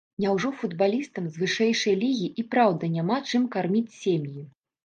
Няўжо футбалістам з вышэйшай лігі і праўда няма чым карміць сем'і?